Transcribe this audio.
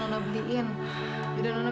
akonsyik dan suka